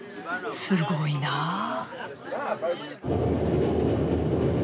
すごいなあ。